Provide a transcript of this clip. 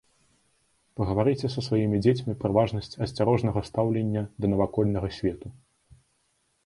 Пагаварыце са сваімі дзецьмі пра важнасць асцярожнага стаўлення да навакольнага свету.